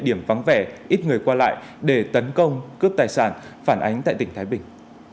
điểm vắng vẻ ít người qua lại để tấn công cướp tài sản phản ánh tại tỉnh thái bình